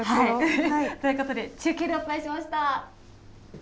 ということで、中継でお伝えしました。